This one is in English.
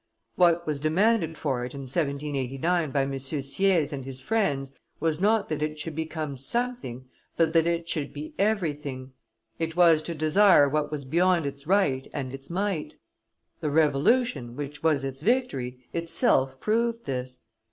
What was demanded for it in 1789 by M. Sieyes and his friends was not that it should become something, but that it should be everything. It was to desire what was beyond its right and its might; the Revolution, which was its victory, itself proved this.